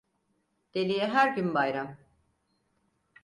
Deliye her gün bayram.